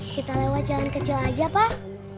kita lewat jalan kecil aja pak